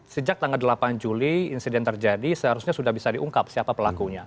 sejak tanggal delapan juli insiden terjadi seharusnya sudah bisa diungkap siapa pelakunya